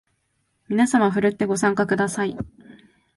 みなさまふるってご参加ください